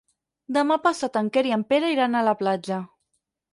Demà passat en Quer i en Pere iran a la platja.